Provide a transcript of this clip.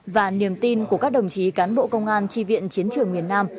và niềm tin của các đồng chí cán bộ công an tri viện chiến trường miền nam